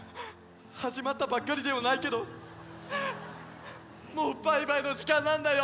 はじまったばっかりではないけどもうバイバイのじかんなんだよ。